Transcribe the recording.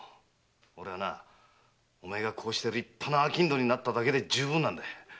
俺はお前がこうして立派な商人になっただけでじゅうぶんなんだ。